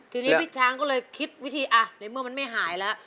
ทีนี้พี่ช้างก็เลยคิดวิธีอ่ะในเมื่อมันไม่หายแล้ว